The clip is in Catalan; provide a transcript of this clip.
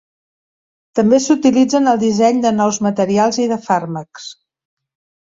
També s'utilitza en el disseny de nous materials i de fàrmacs.